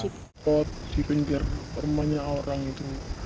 di pot di pinggir rumahnya orang itu